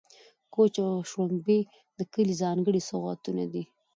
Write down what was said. کوچ او شړومبې د کلي ځانګړي سوغاتونه دي.